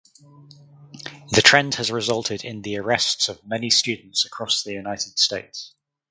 The trend has resulted in the arrests of many students across the United States.